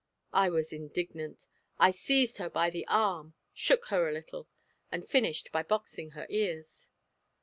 I was indignant. I seized her by the arm, shook her a little, and finished by boxing her ears.